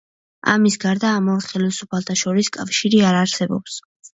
ამის გარდა ამ ორ ხელისუფალთა შორის კავშირი არ არსებობს.